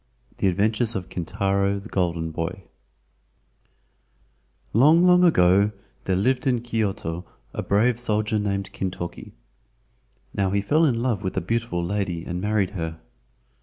THE ADVENTURES OF KINTARO, THE GOLDEN BOY Long, long ago there lived in Kyoto a brave soldier named Kintoki. Now he fell in love with a beautiful lady and married her.